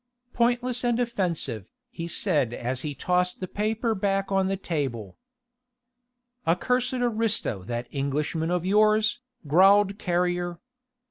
"Pointless and offensive," he said as he tossed the paper back on the table. "A cursed aristo that Englishman of yours," growled Carrier.